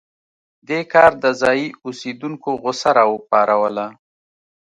دې کار د ځايي اوسېدونکو غوسه راوپاروله.